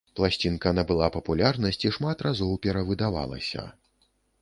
Пласцінка набыла папулярнасць і шмат разоў перавыдавалася.